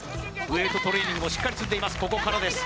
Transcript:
ウエートトレーニングもしっかり積んでいます